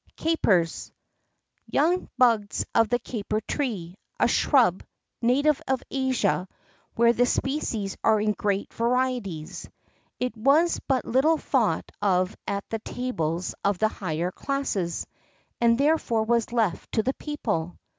CAPERS. Young buds of the caper tree, a shrub native of Asia, where the species are in great varieties. It was but little thought of at the tables of the higher classes, and therefore was left to the people.